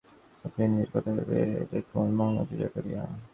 আপনি নিজের কথা ভেবে দেখুন মহামতি জাকারিয়া।